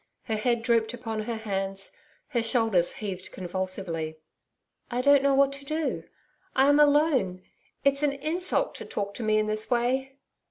Her head drooped upon her hands, her shoulders heaved convulsively. 'I don't know what to do I am alone. It's an insult to talk to me in this way.'